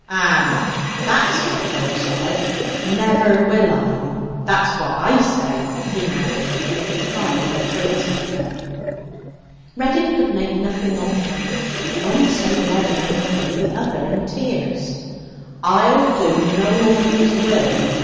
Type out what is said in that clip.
'Ah, that's what her said "Never will I!" That's what I say,' he added with the pride of a phrase maker. Reddin could make nothing of them, one so red and angry, the other in tears. 'I'll do no 'ooman's will!'